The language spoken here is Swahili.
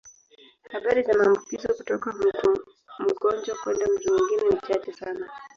Habari za maambukizo kutoka mtu mgonjwa kwenda mtu mwingine ni chache sana.